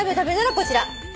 こちら。